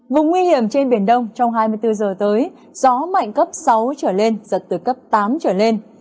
vùng nguy hiểm trên biển đông trong hai mươi bốn giờ tới gió mạnh cấp sáu trở lên giật từ cấp tám trở lên